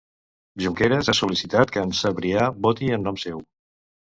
Junqeras ha sol·licitat que en Sabrià voti en nom seu.